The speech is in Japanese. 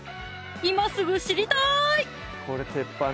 今すぐ知りたい！